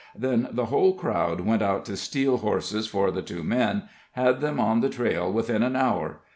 Then the whole crowd went out to steal horses for the two men, and had them on the trail within an hour.